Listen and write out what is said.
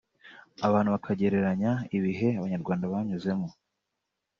abantu bakagereranya ibihe Abanyarwanda banyuzemo